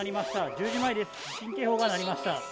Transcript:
１０時前です、緊急警報が鳴りました。